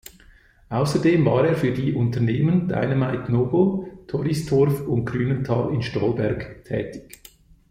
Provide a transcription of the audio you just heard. Außerdem war er für die Unternehmen Dynamit Nobel, Troisdorf, und Grünenthal in Stolberg tätig.